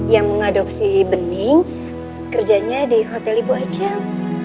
yang mengadopsi bening kerjanya di hotel ibu aceh